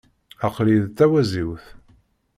Aql-iyi d tawaziwt.